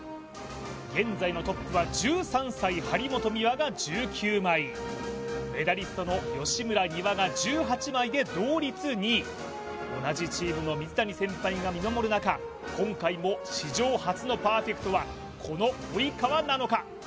現在のトップは１３歳張本美和が１９枚メダリストの吉村丹羽が１８枚で同率２位同じチームの水谷先輩が見守る中今回も史上初のパーフェクトはこの及川なのか？